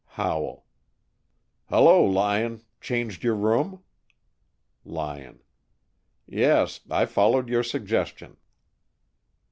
Howell: "Hello, Lyon. Changed your room?" Lyon: "Yes. I followed your suggestion."